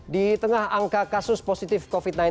di tengah angka kasus positif covid sembilan belas